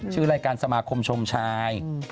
ชื่อรายการสมาคมชมชาย